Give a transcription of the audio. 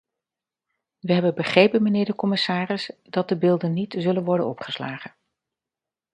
We hebben begrepen, mijnheer de commissaris, dat de beelden niet zullen worden opgeslagen.